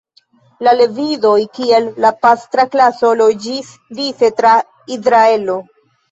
La Levidoj, kiel la pastra klaso, loĝis dise tra Izraelo.